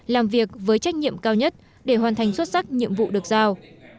làm việc với trách nhiệm cao nhất để hoàn thành xuất sắc nhiệm vụ được giao